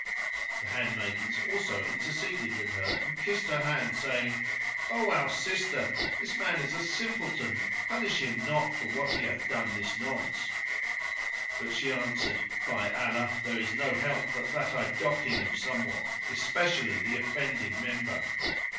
The handmaidens also interceded with her and kissed her hand saying, "O our sister, this man is a simpleton, punish him not for what he hath done this nonce;" but she answered, "By Allah, there is no help but that I dock him of somewhat, especially the offending member."